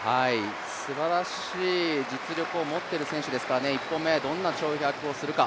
すばらしい実力を持っている選手ですから１本目、どんな跳躍をするか。